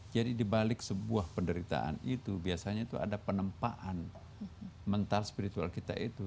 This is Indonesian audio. jadi dibalik sebuah penderitaan itu biasanya itu ada penempaan mental spiritual kita itu